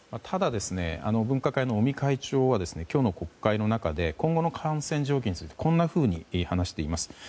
ただ、分科会の尾身会長は今日の国会の中で今後の感染状況についてこんなふうに話しています。